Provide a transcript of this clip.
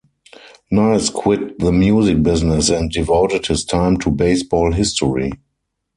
Nice quit the music business and devoted his time to baseball history.